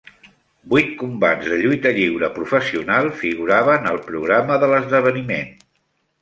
Vuit combats de lluita lliure professional figuraven al programa de l'esdeveniment.